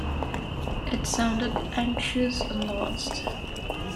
It sounded anxious and lost.